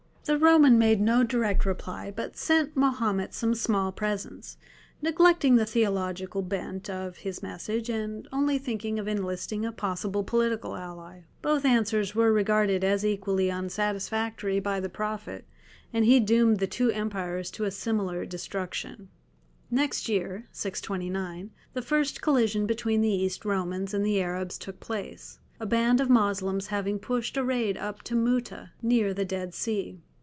The Roman made no direct reply, but sent Mahomet some small presents, neglecting the theological bent of his message, and only thinking of enlisting a possible political ally. Both answers were regarded as equally unsatisfactory by the Prophet, and he doomed the two empires to a similar destruction. Next year the first collision between the East Romans and the Arabs took place, a band of Moslems having pushed a raid up to Muta, near the Dead Sea.